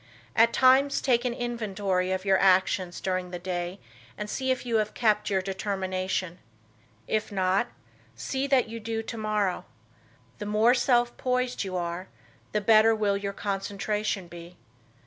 At times take an inventory of your actions during the day and see if you have kept your determination. If not, see that you do tomorrow. The more self poised you are the better will your concentration be.